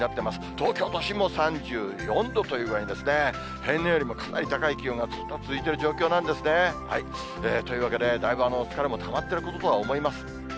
東京都心も３４度という具合に、平年よりもかなり高い気温がずっと続いてる状況なんですね。というわけで、だいぶ疲れもたまっていることとは思います。